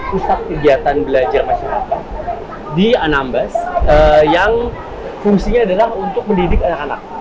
pusat kegiatan belajar masyarakat di anambas yang fungsinya adalah untuk mendidik anak anak